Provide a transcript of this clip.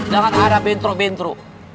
jangan ada bentro bentro